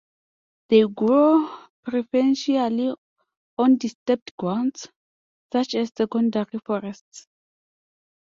They grow preferentially on disturbed grounds, such as secondary forests.